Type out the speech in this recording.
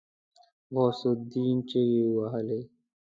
غوث الدين چيغې وهلې.